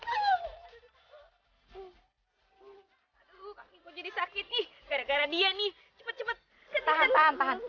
aduh kakiku jadi sakit ih gara gara dia nih cepet cepet tahan tahan tahan